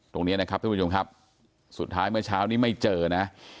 ตรงนี้นะครับทุกผู้ชมครับสุดท้ายเมื่อเช้านี้ไม่เจอนะ